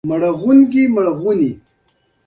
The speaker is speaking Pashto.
ایا زه باید په دښته کې اوسم؟